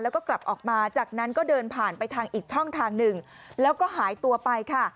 แล้วก็กลับออกมาจากนั้นก็เดินผ่านไปทางอีกช่องทางหนึ่งแล้วก็หายตัวไปค่ะ